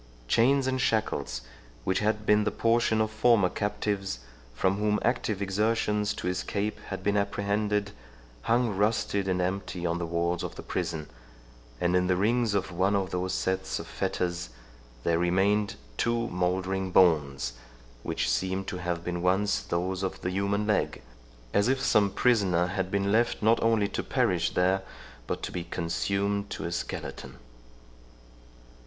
Chains and shackles, which had been the portion of former captives, from whom active exertions to escape had been apprehended, hung rusted and empty on the walls of the prison, and in the rings of one of those sets of fetters there remained two mouldering bones, which seemed to have been once those of the human leg, as if some prisoner had been left not only to perish there, but to be consumed to a skeleton.